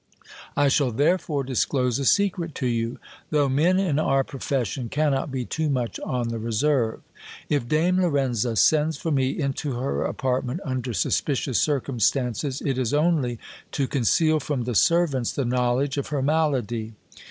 I shall therefore disclose a secret to you ; though men in our profession cannot be too much on the reserve. If Dame Lorenza sen4s for me into her apartment under suspicious circumstances, it is only to conceal from the servants the knowledge of her malady.